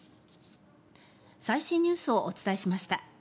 最新ニュースをお伝えしました。